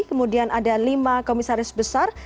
kemudian ada lima komisaris besar